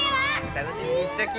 楽しみにしちょき！